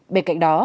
bên cạnh đó